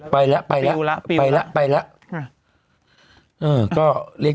ไปแล้วไปแล้ว